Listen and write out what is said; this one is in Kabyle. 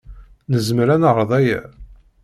Nezmer ad neɛreḍ aya?